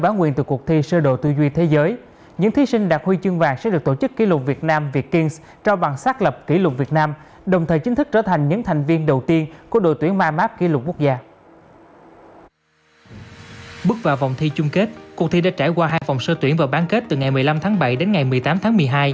bước vào cuộc thi chung kết cuộc thi đã trải qua hai vòng sơ tuyển và bán kết từ ngày một mươi năm tháng bảy đến ngày một mươi tám tháng một mươi hai